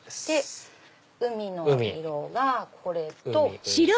海の色がこれと。